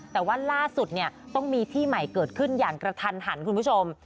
แต่ว่าล่าสุดเนี่ยต้องมีที่ใหม่เกิดขึ้นอย่างกระทันหันคุณผู้ชม